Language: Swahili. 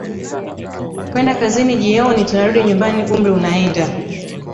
kwenda kazini jioni tunarudi nyumbani umri unaenda